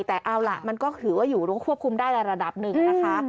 แต่เอาล่ะมันก็ถือว่าอยู่ควบคุมได้ในระดับหนึ่งนะคะ